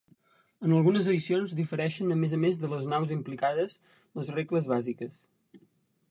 En algunes edicions difereixen a més a més de les naus implicades, les regles bàsiques.